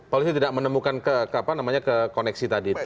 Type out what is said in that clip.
polisi tidak menemukan ke apa namanya ke koneksi tadi itu